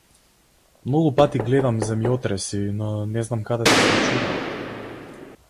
Многу пати гледам земјотреси, но не знам каде се случуваат.